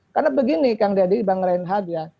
karena begini kang didi bang renhad ya